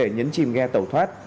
nhấn chìm ghe tàu thoát